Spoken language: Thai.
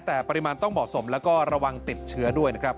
แต่ปริมาณต้องเหมาะสมแล้วก็ระวังติดเชื้อด้วยนะครับ